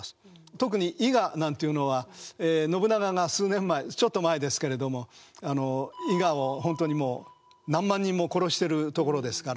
特に伊賀なんていうのは信長が数年前ちょっと前ですけれども伊賀を本当にもう何万人も殺してるところですから。